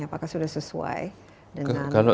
apakah sudah sesuai dengan apa yang diperlukan